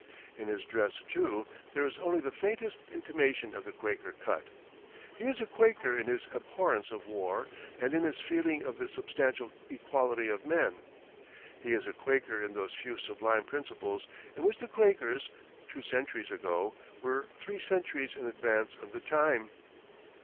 In his dress, too, there is only the faintest intimation of the Quaker cut. He is a Quaker in his abhorrence of war and in his feeling of the substantial equality of men. He is a Quaker in those few sublime principles in which the Quakers, two centuries ago, were three centuries in advance of the time.